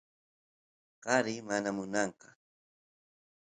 kari mana munanqa